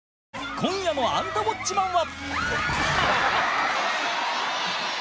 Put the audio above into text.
今夜の『アンタウォッチマン！』は